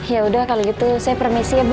yaudah kalo gitu saya permisi ya bu